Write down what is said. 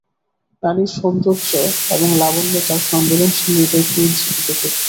নারীর সৌন্দর্য এবং লাবণ্য তার সংবেদনশীল হৃদয়কে উজ্জীবিত করত।